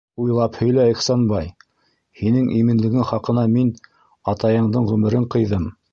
Уйлап һөйлә, Ихсанбай... һинең именлегең хаҡына мин... атайыңдың ғүмерен ҡыйҙым!